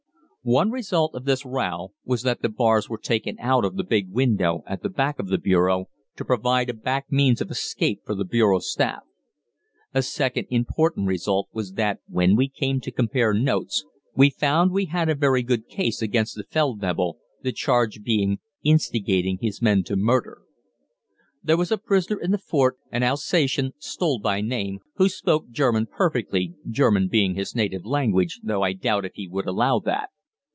One result of this row was that the bars were taken out of the big window at the back of the bureau to provide a back means of escape for the bureau staff. A second important result was that, when we came to compare notes, we found we had a very good case against the Feldwebel, the charge being, "Instigating his men to murder." There was a prisoner in the fort, an Alsatian, Stoll by name, who spoke German perfectly, German being his native language, though I doubt if he would allow that.